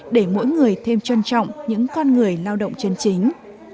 để mỗi người thêm trân trọng những con người lao động chân chính